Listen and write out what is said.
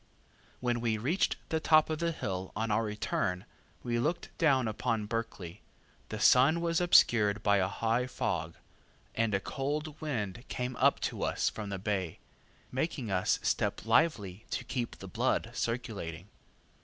When we reached the top of the hill on our return, and looked down upon Berkeley, the sun was obscured by a high fog, and a cold wind came up to us from the bay, making us step lively to keep the blood circulating.